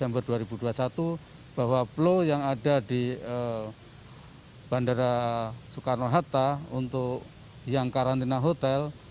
bahwa plo yang ada di bandara soekarno hatta untuk yang karantina hotel